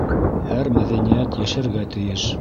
Һәр мәҙәниәт йәшәргә тейеш